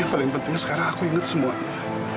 yang paling penting sekarang aku inget semuanya